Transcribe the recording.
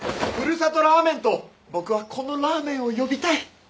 ふるさとラーメンと僕はこのラーメンを呼びたい！